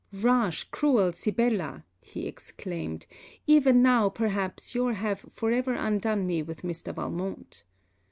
'Rash, cruel Sibella!' he exclaimed, 'even now, perhaps, your have for ever undone me with Mr. Valmont!'